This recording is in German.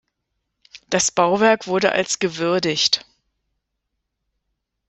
Das Bauwerk wurde als gewürdigt.